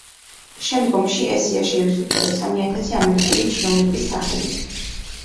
შემდგომში ეს სია შეივსო კიდევ სამი ათასი ამერიკელი ჩინოვნიკის სახელით.